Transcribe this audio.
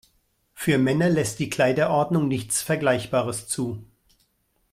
Für Männer lässt die Kleiderordnung nichts Vergleichbares zu.